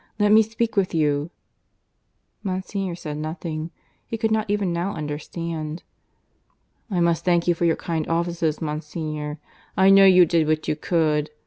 Let me speak with you." Monsignor said nothing. He could not even now understand. "I must thank you for your kind offices, Monsignor. I know you did what you could.